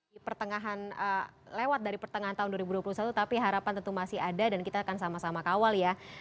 di pertengahan lewat dari pertengahan tahun dua ribu dua puluh satu tapi harapan tentu masih ada dan kita akan sama sama kawal ya